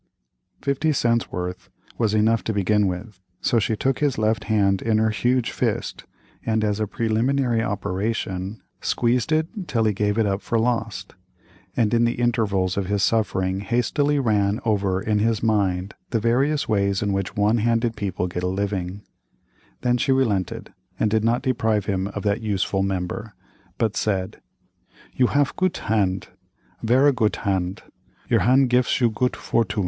Fifty cents' worth was enough to begin with, so she took his left hand in her huge fist, and as a preliminary operation squeezed it till he gave it up for lost, and in the intervals of his suffering hastily ran over in his mind the various ways in which one handed people get a living; then she relented and did not deprive him of that useful member, but said: "You have goot hand, vera goot hand—your hand gifs you goot fortoon.